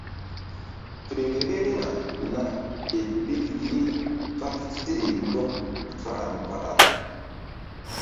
Fe vbehna na ɓel ɓil ye fál seɗe mbɔk varaŋ varaŋ.